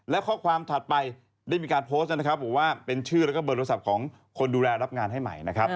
และข้อความถัดไปได้มีการโพสต์ว่าเป็นชื่อและเบอร์โทรศัพท์ของคนดูแลรับงานให้ใหม่